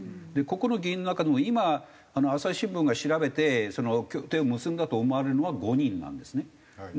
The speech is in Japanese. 個々の議員の中でも今『朝日新聞』が調べてその協定を結んだと思われるのは５人なんですね。